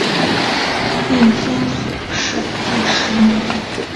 应天府乡试第十名。